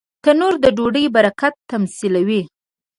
تنور د ډوډۍ برکت تمثیلوي